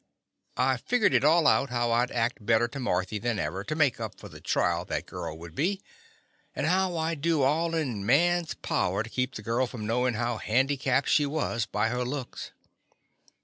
I figgered it all out how I 'd act bet ter to Marthy than ever, to make up for the trial that girl would be, and how I 'd do all in man's power to keep the girl from knowin^ how handi capped she was by her looks.